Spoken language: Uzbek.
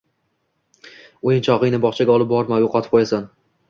“O‘yinchog‘ingni bog‘chaga olib borma, yo‘qotib qo‘yasan”